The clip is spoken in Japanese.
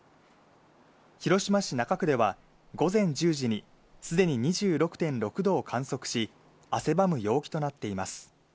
広島市中区では午前１０時にすでに２６．６度を観測し、汗ばむ陽気となっています。